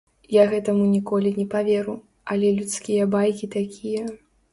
Я гэтаму ніколі не паверу, але людскія байкі такія.